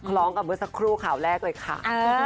ล้องกับเมื่อสักครู่ข่าวแรกเลยค่ะ